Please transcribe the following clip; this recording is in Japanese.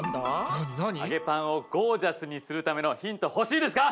揚げパンをゴージャスにするためのヒント欲しいですか？